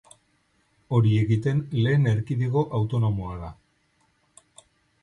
Hori egiten lehen erkidego autonomoa da.